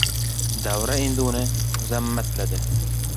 Davra endi uni mazammatladi: